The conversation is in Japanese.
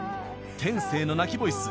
天性の泣きボイス